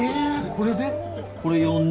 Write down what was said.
これで？